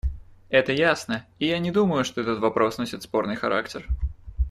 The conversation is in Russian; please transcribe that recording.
Это ясно, и я не думаю, что этот вопрос носит спорный характер.